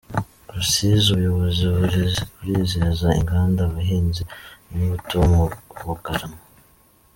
Rusizi Ubuyobozi burizeza inganda abahinzi b’imbuto bo mu Bugarama